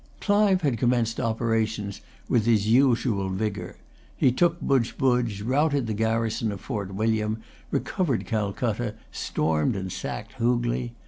Clive had commenced operations with his usual vigour. He took Budgebudge, routed the garrison of Fort William, recovered Calcutta, stormed and sacked Hoogley.